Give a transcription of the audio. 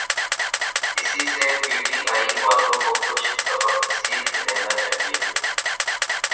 اسی سے P T I والوں کو کچھ سبق سیکھ لینا چاہیے۔